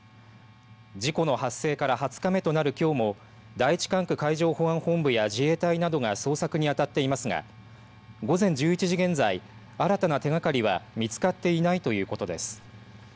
事故の発生から２０日目となるきょうも第１管区海上保安本部や自衛隊などが捜索にあたっていますが午前１１時現在新たな手がかりは見つかっていないということです。